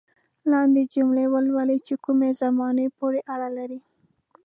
لاندې جملې ولولئ چې کومې زمانې پورې اړه لري.